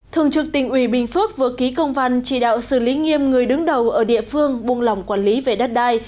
thường trực tỉnh ủy bình phước vừa ký công văn chỉ đạo xử lý nghiêm người đứng đầu ở địa phương buông lỏng quản lý về đất đai